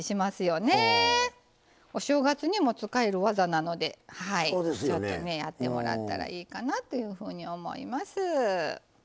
お正月にも使える技なのではいちょっとねやってもらったらいいかなというふうには思います。